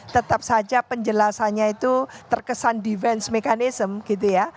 tetap saja penjelasannya itu terkesan defense mechanism gitu ya